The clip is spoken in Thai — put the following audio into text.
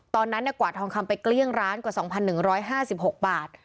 ตอนนั้นเนี่ยกว่าทองคำไปเกลี้ยงร้านกว่าสองพันหนึ่งร้อยห้าสิบหกบาท